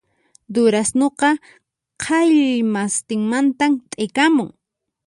Durasnuqa k'allmastinmantan t'ikamun